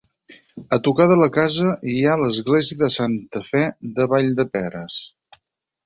A tocar de la casa hi ha l'església de Santa Fe de Valldeperes.